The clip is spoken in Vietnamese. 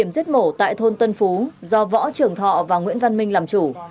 giết mổ tại thôn tân phú do võ trường thọ và nguyễn văn minh làm chủ